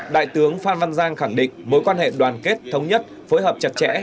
đại tướng phan văn giang khẳng định mối quan hệ đoàn kết thống nhất phối hợp chặt chẽ